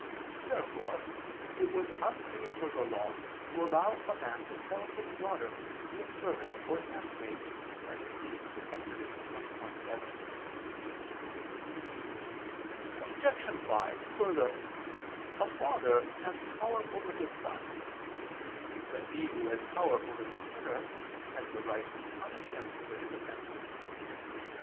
Therefore it was unfitting for the Law to allow a man to sell his daughter to be a servant or handmaid (Ex. 21:7). Obj. 5: Further, a father has power over his son. But he who has power over the sinner has the right to punish him for his offenses.